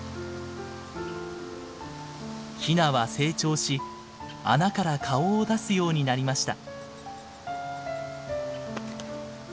ヒナは成長し穴から顔を出すようになりました。